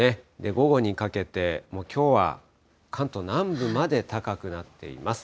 午後にかけて、きょうは関東南部まで高くなっています。